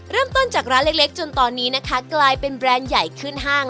เริ่มต้นจากร้านเล็กจนตอนนี้นะคะกลายเป็นแบรนด์ใหญ่ขึ้นห้าง